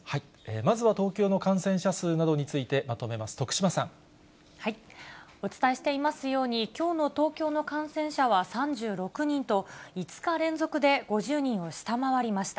まずは東京の感染者数などにお伝えしていますように、きょうの東京の感染者は３６人と、５日連続で５０人を下回りました。